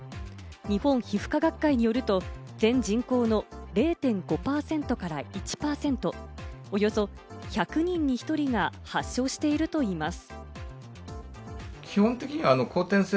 日本皮膚科学会によると全人口の０．５％から１％、およそ１００人に１人が発症しているといいます。